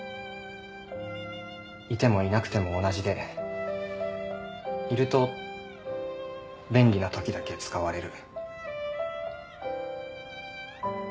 いてもいなくても同じでいると便利なときだけ使われる。